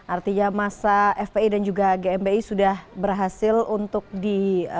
artinya masa fpi dan juga gmi sudah berhasil untuk di